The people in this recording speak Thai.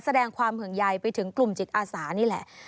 แสดงความห่วงใยไปถึงกลุ่มจิตอาสานี่แหละ